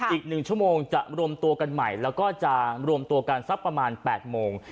อีก๑ชั่วโมงจะรวมตัวกันใหม่แล้วก็จะรวมตัวกันสักประมาณ๘โมง